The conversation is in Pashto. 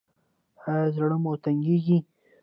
ایا زړه مو تنګیږي؟